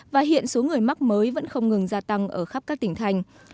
và hiện số người mắc mới vẫn không ngừng gia tăng ở khắp các tỉnh thành